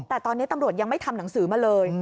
แต่ตอนนี้ตำรวจยังไม่ทำหนังสือมาเลย